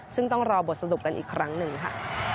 ซึ่งต้องรอบทสรุปกันอีกครั้งหนึ่งค่ะ